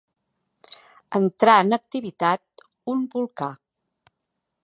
Entrar en activitat un volcà.